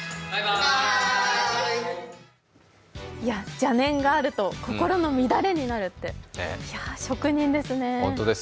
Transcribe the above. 邪念があると心の乱れになるって、職人ですね。